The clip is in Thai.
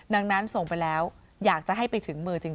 ดังนั้นส่งไปแล้วอยากจะให้ไปถึงมือจริง